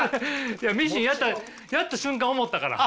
いやミシンやった瞬間思ったから。